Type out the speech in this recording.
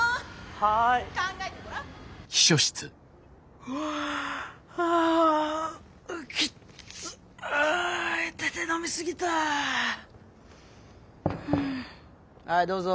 はいどうぞ。